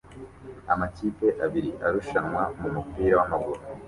Amakipe abiri arushanwa mumupira wamaguru